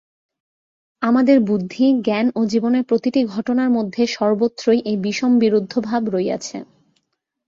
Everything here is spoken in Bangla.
আমাদের বুদ্ধি, জ্ঞান ও জীবনের প্রতিটি ঘটনার মধ্যে সর্বত্রই এই বিষম বিরুদ্ধভাব রহিয়াছে।